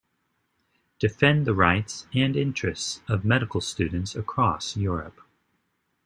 Defend the rights and interest of medical students across Europe.